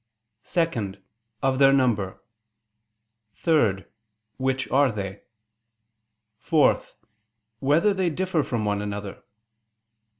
(2) Of their number; (3) Which are they? (4) Whether they differ from one another?